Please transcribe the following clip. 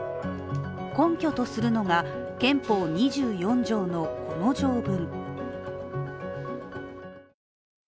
根拠とするのが、憲法２４条のこの条文。